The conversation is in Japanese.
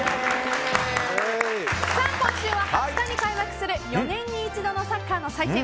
今週は２０日に開催する４年に一度のサッカーの祭典